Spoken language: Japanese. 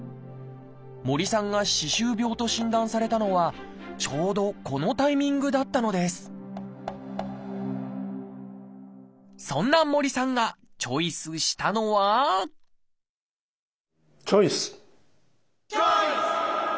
森さんが「歯周病」と診断されたのはちょうどこのタイミングだったのですそんな森さんがチョイスしたのはチョイス！